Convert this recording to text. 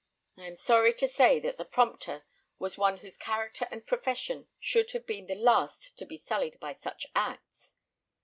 I am sorry to say that the prompter was one whose character and profession should have been the last to be sullied by such acts."